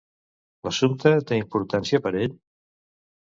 L'assumpte té importància per ell?